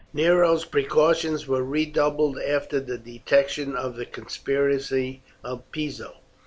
Nero's precautions were redoubled after the detection of the conspiracy of Piso.